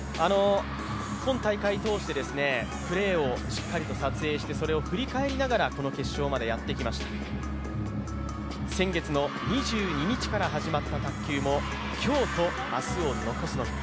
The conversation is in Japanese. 今大会通してプレーをしっかりと撮影して、それを振り返りながらこの決勝までやってきました、先月の２２日から始まった卓球も今日と明日を残すのみ。